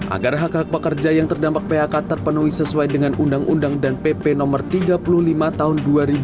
agar hak hak pekerja yang terdampak phk terpenuhi sesuai dengan undang undang dan pp no tiga puluh lima tahun dua ribu dua puluh